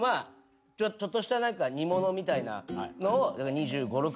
ちょっとした煮物みたいなのを２５２６人前。